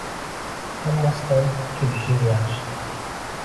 Hammasidan — kulishing yaxshi.